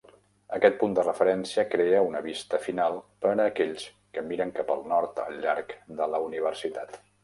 Aquest punt de referència crea una vista final per a aquells que miren cap al nord al llarg de la Universitat.